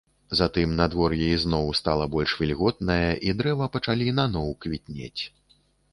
Затым надвор'е ізноў стала больш вільготнае, і дрэва пачалі наноў квітнець.